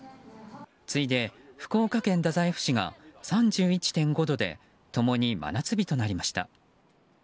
次いで福岡県太宰府市が３１．５度で共に真夏日となりました。